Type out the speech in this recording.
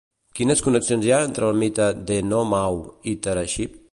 Quines connexions hi ha entre el mite d'Enòmau i Taraxip?